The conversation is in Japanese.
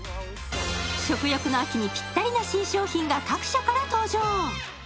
食欲の秋にぴったりな新商品が各社から登場